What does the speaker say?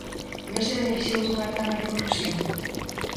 ¿Non se beneficiou dunha trama de corrupción?